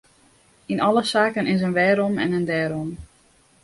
Yn alle saken is in wêrom en in dêrom.